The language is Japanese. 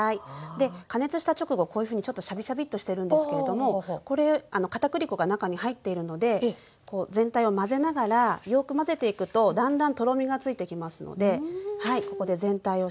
で加熱した直後こういうふうにちょっとシャビシャビッとしてるんですけれどもこれ片栗粉が中に入っているのでこう全体を混ぜながらよく混ぜていくとだんだんとろみがついてきますのでここで全体をしっかり混ぜて下さい。